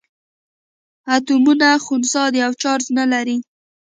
اتومونه خنثي دي او چارج نه لري.